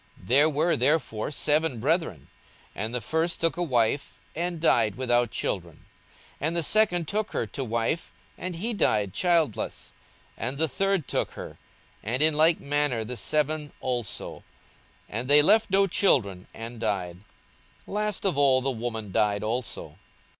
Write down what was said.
42:020:029 There were therefore seven brethren: and the first took a wife, and died without children. 42:020:030 And the second took her to wife, and he died childless. 42:020:031 And the third took her; and in like manner the seven also: and they left no children, and died. 42:020:032 Last of all the woman died also.